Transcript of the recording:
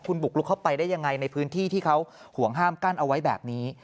คุณบุกลุกเข้าไปได้ยังไงในพื้นที่ที่เขาห่วงห้ามกั้นเอาไว้แบบนี้